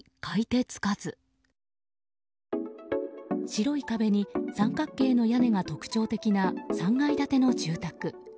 白い壁に三角形の屋根が特徴的な、３階建ての住宅。